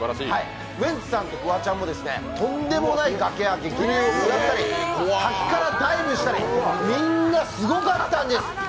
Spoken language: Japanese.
ウエンツさんとフワちゃんもとんでもない崖や激流を下ったり、滝からダイブしたり、みんなすごかったんです。